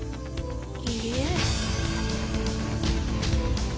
いいえ。